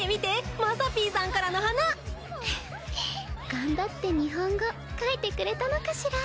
頑張って日本語書いてくれたのかしら。